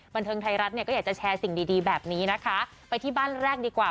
บันเทิงไทยรัฐเนี่ยก็อยากจะแชร์สิ่งดีดีแบบนี้นะคะไปที่บ้านแรกดีกว่า